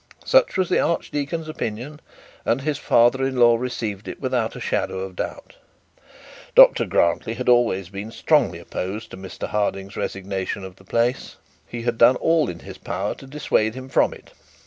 Such was the archdeacon's opinion, and his father in law received it without a shadow of doubt. Dr Grantly had always been strongly opposed to Mr Harding's resignation of the place. He had done all in his power to dissuade him from it.